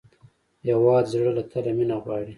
هېواد د زړه له تله مینه غواړي.